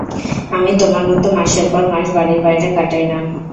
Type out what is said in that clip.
আমি তোমার মতো মাসের পর মাস বাড়ির বাইরে কাটাই না!